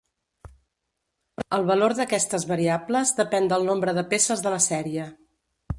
El valor d'aquestes variables depèn del nombre de peces de la sèrie.